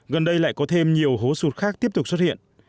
gần đây lại có thêm nhiều hố sụt khác tiếp tục xuất hiện